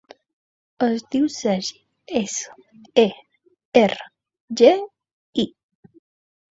Es diu Sergi: essa, e, erra, ge, i.